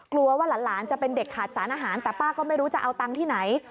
กลัวว่าหลานจะเป็นเด็กขาดสารอาหารแต่ป้าก็ไม่รู้จะเอาตังค์ที่ไหน